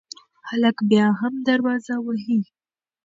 هلک بیا هم دروازه وهي.